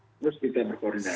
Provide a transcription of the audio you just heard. terus kita berkoordinasi